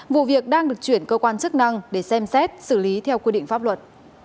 vụ việc đang được chuyển cơ quan chức năng để xem xét xử lý theo quy định pháp luật